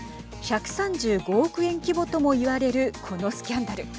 １３５億円規模ともいわれるこのスキャンダル。